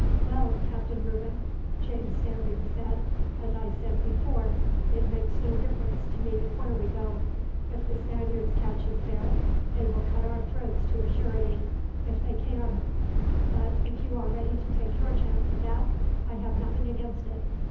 "Well, Captain Reuben," James Standing said, "as I said before, it makes no difference to me where we go. If the Spaniards catch us there, they will cut our throats to a surety, if they can; but if you are ready to take your chance of that, I have nothing against it.